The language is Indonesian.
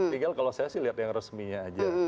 tinggal kalau saya sih lihat yang resminya aja